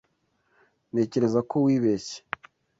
Ntekereza ko wibeshye.